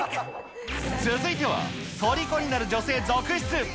続いては、とりこになる女性続出。